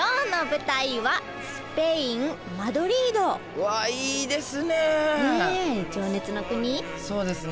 うわいいですね。